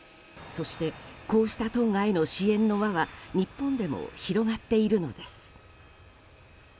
そして、こうしたトンガへの支援の輪は日本でも広がっているのです。